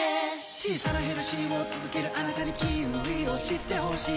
小さなヘルシーを続けるあなたにキウイを知ってほしい